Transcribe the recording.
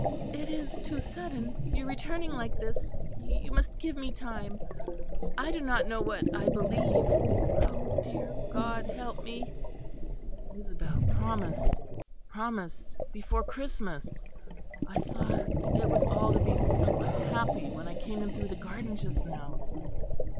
It is too sudden, your returning like this. You must give me time. I do not know what I believe. Oh, dear God, help me." "Isabel, promise! promise! Before Christmas! I thought it was all to be so happy, when I came in through the garden just now.